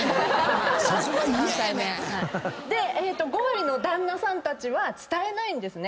５割の旦那さんたちは伝えない。